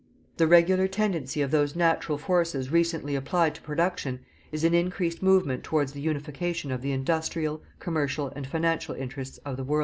The regular tendency of those natural forces recently applied to production is an increased movement towards the unification of the industrial, commercial and financial interests of the world.